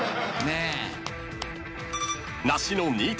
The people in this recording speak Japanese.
ねえ？